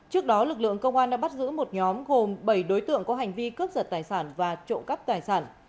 trước đó lực lượng công an đã bắt giữ một nhóm gồm bảy đối tượng có hành vi cướp giật tài sản và trộm cắp tài sản